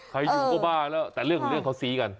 ใครอยู่ก็บ้าแล้วแต่เรื่องของเรื่องเขาซี้กัน